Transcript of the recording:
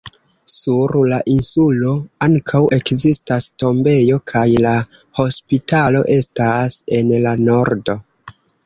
Sur la insulo ankaŭ ekzistas tombejo, kaj la hospitalo estas en la nordo.